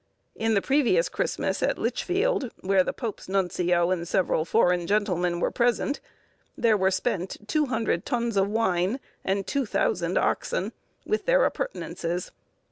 In the previous Christmas, at Lichfield where the Pope's nuncio and several foreign gentlemen were present, there were spent two hundred tuns of wine, and two thousand oxen, with their appurtenances.